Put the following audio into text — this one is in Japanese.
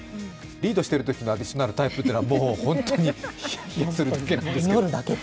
リードしているときのアディショナルタイムというのは本当にヒヤヒヤするんですけど。